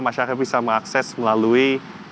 masyarakat bisa mengakses melalui